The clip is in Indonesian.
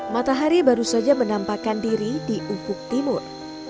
matahari baru saja menampakkan diri di ufuk timur